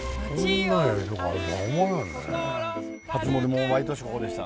初詣もう毎年ここでした。